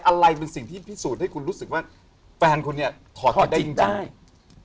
อะไรเป็นสิ่งที่พิสูจน์ให้คุณรู้สึกว่าแฟนคุณเนี่ยถอดได้จริงได้